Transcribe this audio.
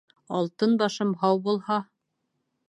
Алтын башым һау булһа